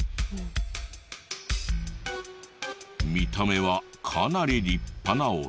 見た目はかなり立派なお宅。